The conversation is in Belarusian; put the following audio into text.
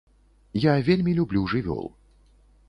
Я вельмі люблю жывёл.